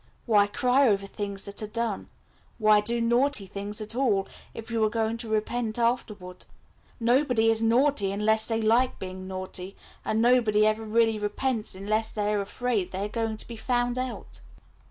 Why cry over things that are done? Why do naughty things at all, if you are going to repent afterward? Nobody is naughty unless they like being naughty; and nobody ever really repents unless they are afraid they are going to be found out."